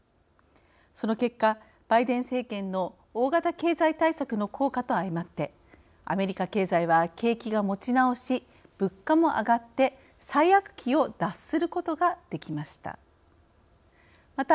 その結果、バイデン政権の大型経済対策の効果と相まってアメリカ経済は、景気が持ち直し物価も上がって最悪期を脱することができました。